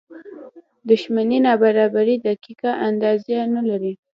د شتمنۍ نابرابرۍ دقیقه اندازه نه لري.